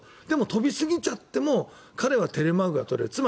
でも、飛びすぎちゃっても彼はテレマークが取れる。